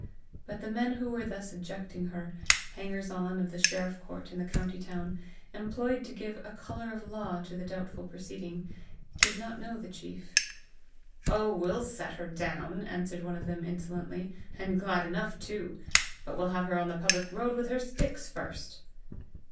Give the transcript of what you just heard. But the who were thus ejecting her hangers on of the sheriff court in the county town, employed to give a colour of law to the doubtful proceeding did not know the chief. "Oh, we'll set her down," answered one of them insolently, " and glad enough too! but we'll have her on the public road with her sticks first!"